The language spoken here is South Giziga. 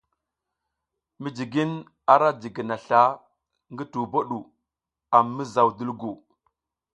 Mijigin ara jigina sla ngi tubo ɗu a mimizaw dulgu.